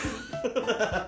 ハハハハ。